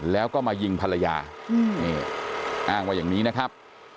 แล้วก็มายิงภรรยานี่อ้างว่าอย่างนี้นะครับ